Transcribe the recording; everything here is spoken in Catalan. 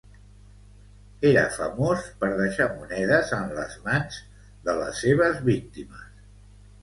Era famós per deixar monedes en les mans de les seves víctimes.